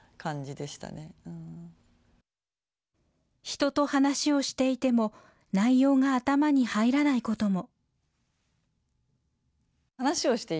人と話をしていても内容が頭に入らないことも。